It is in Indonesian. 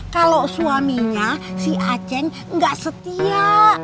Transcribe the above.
kalau suaminya si achen gak setia